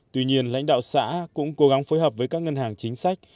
tuy nhiên lãnh đạo xã cũng cố gắng phối hợp với các ngân hàng chính sách